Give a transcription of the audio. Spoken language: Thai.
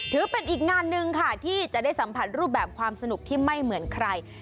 ถือเป็นอีกงานหนึ่งค่ะที่จะได้สัมผัสรูปแบบความสนุกที่ไม่เหมือนใคร